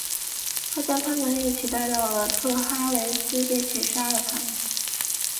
他将他们一起带到特哈雷斯并且杀了他们。